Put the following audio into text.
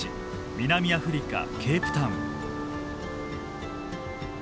南アフリカ・ケープタウン。